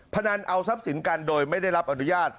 พนันเอาทรัพย์สินกันโดยไม่ได้รับอนุญาต